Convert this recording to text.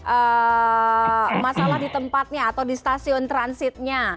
apa masalah di tempatnya atau di stasiun transitnya